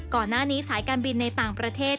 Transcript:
ก่อนหน้านี้สายการบินในต่างประเทศ